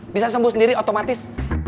bisa sembuh sendiri otomatis